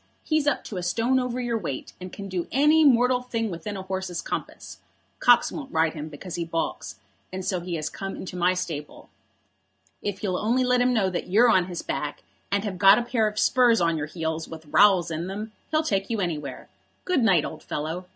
He's up to a stone over your weight, and can do any mortal thing within a horse's compass. Cox won't ride him because he baulks, and so he has come into my stable. If you'll only let him know that you're on his back, and have got a pair of spurs on your heels with rowels in them, he'll take you anywhere. Good night, old fellow.